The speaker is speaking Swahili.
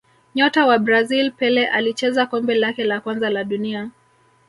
Nyota wa Brazil Pele alicheza kombe lake la kwanza la dunia